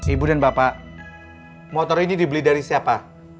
ibu dan bapak motor ini dibeli dari siapa